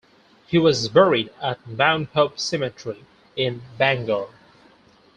He was buried at Mount Hope Cemetery in Bangor.